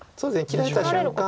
切られた瞬間